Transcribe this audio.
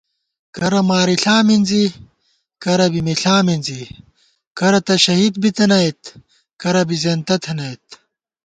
کرہ مارِݪا مِنزی کرہ بی مِݪا مِنزی کرہ تہ شہید بِتِنَئیت کرہ بی زېنتہ تھنَئیت